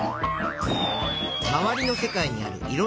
まわりの世界にあるいろんなふしぎ。